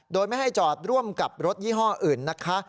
โดยไม่ให้จอดร่วมกับรถยี่ห้ออื่นนะคะ